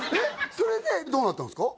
それでどうなったんですか？